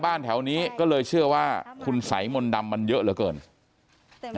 บ้านแถวนี้ก็เลยเชื่อว่าคุณสายมนดรมมันเยอะมากเกิน